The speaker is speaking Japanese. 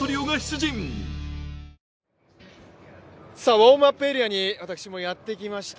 ウォームアップエリアに私もやってきました。